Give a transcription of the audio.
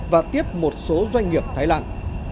và tiếp một số doanh nghiệp thái lan